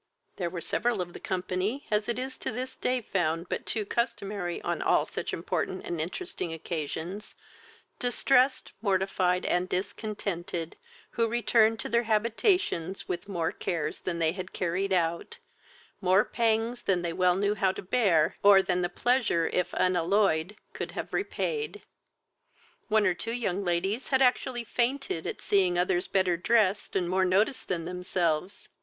There were several of the company, as it is to this day found but too customary on all such important and interesting occasions, distressed, mortified, and discontented, who returned to their habitations with more cares than they had carried out, more pangs than they well knew how to bear, or than the pleasure, if unalloyed, could have repaid. One or two young ladies had actually fainted at seeing others better dressed and more noticed than themselves.